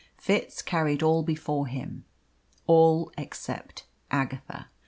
Fitz carried all before him. All except Agatha.